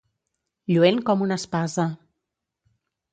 Lluent com una espasa.